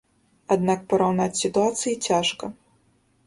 Аднак параўнаць сітуацыі цяжка.